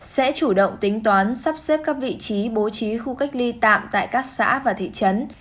sẽ chủ động tính toán sắp xếp các vị trí bố trí khu cách ly tạm tại các xã và thị trấn